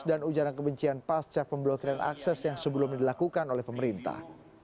dan ujaran kebencian pasca pembelotren akses yang sebelum dilakukan oleh pemerintah